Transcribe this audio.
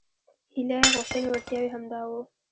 هیلې غوښتنې وړتیاوې همدا وو.